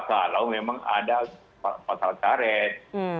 kalau memang ada pasal karet